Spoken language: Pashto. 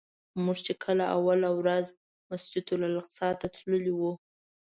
موږ چې کله اوله ورځ مسجدالاقصی ته تللي وو.